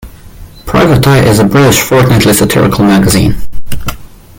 Private Eye is a British fortnightly satirical magazine.